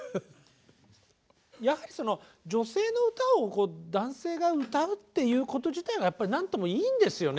やはり女性の歌を男性が歌うっていうこと自体が何ともいいんですよね。